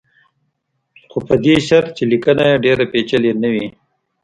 خو په دې شرط چې لیکنه یې ډېره پېچلې نه وي.